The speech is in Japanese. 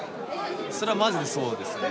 それはマジでそうですね